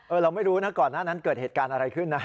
เราไม่รู้นะก่อนหน้านั้นเกิดเหตุการณ์อะไรขึ้นนะ